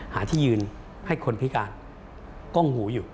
หาที่ยืนให้คนพิการก้มหูอยู่